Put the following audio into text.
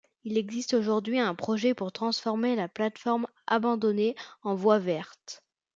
Il existe aujourd'hui un projet pour transformer sa plate-forme abandonnée en voie verte.